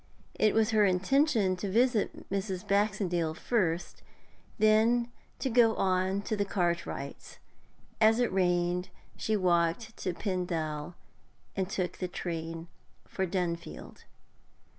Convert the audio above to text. It was her intention to visit Mrs. Baxendale first, then to go on to the Cartwrights'. As it rained, she walked to Pendal and took train for Dunfield.